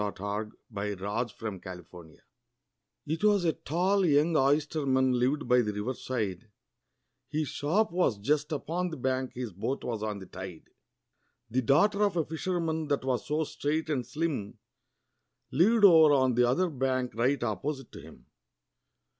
THE BALLAD OF THE OYSTERMAN IT was a tall young oysterman lived by the river side, His shop was just upon the bank, his boat was on the tide; The daughter of a fisherman, that was so straight and slim, Lived over on the other bank, right opposite to him.